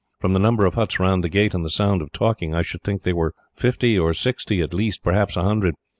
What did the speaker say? From the number of huts round the gate, and the sound of talking, I should think there were fifty or sixty at least perhaps a hundred.